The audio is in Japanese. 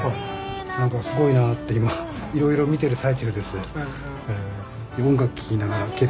何かすごいなって今いろいろ見てる最中です。